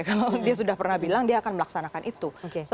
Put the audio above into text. kalau dia sudah pernah bilang dia akan melaksanakan itu